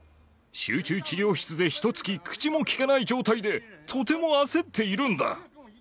集中治療室でひとつき口も利けない状態で、とても焦っているんだ。